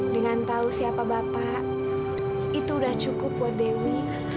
dengan tahu siapa bapak itu udah cukup buat dewi